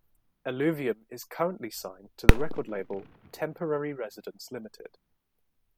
Eluvium is currently signed to the record label Temporary Residence Limited.